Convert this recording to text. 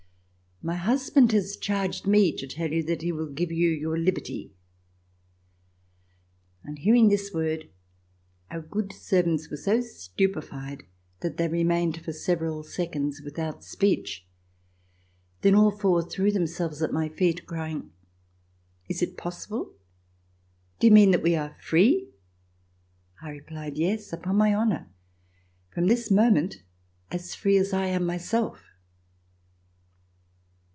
My husband has charged me to tell you that he will give you your liberty." On hearing this word our good servants were so stupified that they remained for several seconds without speech. Then all four threw themselves at my feet crying: "Is it possible? Do you mean that we are free.^" I replied: "Yes, upon my honor, from this moment, as free as I am myself."